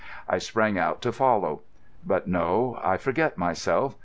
I sprang out to follow. But no, I forget myself.